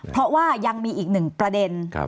เพราะว่ายังมีอีกหนึ่งประเด็น